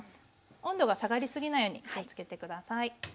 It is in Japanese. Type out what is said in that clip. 温度が下がりすぎないように気をつけて下さい。